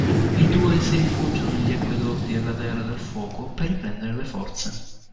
I due si rifugiano negli acquedotti della Terra del Fuoco per riprendere le forze.